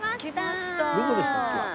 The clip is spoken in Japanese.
どこでしたっけ？